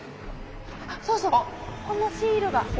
そうそうこのシールが。